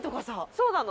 そうなの。